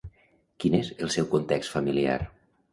Quin és el seu context familiar?